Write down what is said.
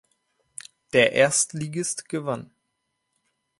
Der Erstligist gewann.